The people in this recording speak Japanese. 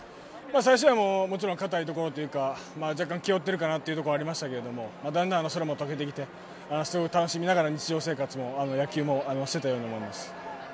最初はもちろん硬いところというか若干、気負ってるところはありましたがだんだんそれも解けてきてすごい楽しみながら日常生活も野球もしていたように思います。